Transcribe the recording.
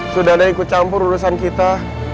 sudah ada yang ikut campur urusan kita